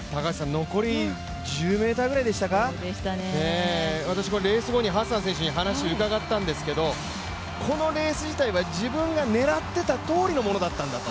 残り１０ｍぐらいでしたか、私、レース後にハッサン選手に話を伺ったんですけどこのレース自体は自分が狙っていたとおりのものだったんだと。